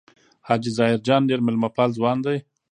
حاجي ظاهر جان ډېر مېلمه پال ځوان دی.